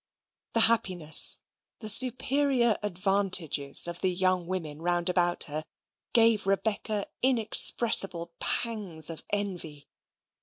The happiness the superior advantages of the young women round about her, gave Rebecca inexpressible pangs of envy.